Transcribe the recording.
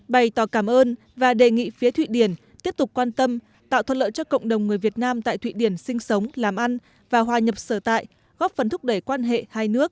bày tỏ cảm ơn và đề nghị phía thụy điển tiếp tục quan tâm tạo thuận lợi cho cộng đồng người việt nam tại thụy điển sinh sống làm ăn và hòa nhập sở tại góp phần thúc đẩy quan hệ hai nước